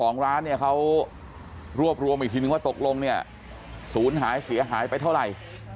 ของร้านเนี่ยเขารวบรวมอีกทีนึงว่าตกลงเนี่ยศูนย์หายเสียหายไปเท่าไหร่